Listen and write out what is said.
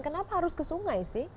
kenapa harus ke sungai sih